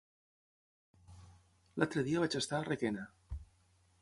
L'altre dia vaig estar a Requena.